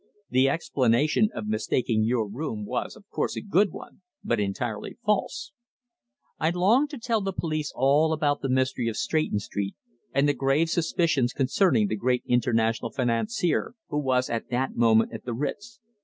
The explanation of mistaking your room was, of course, a good one, but entirely false." I longed to tell the police all about the mystery of Stretton Street, and the grave suspicions concerning the great international financier who was at that moment at the Ritz.